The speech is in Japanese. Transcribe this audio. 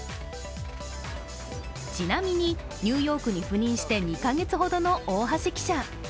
ちなみに、ニューヨークに赴任して２か月ほどの大橋記者。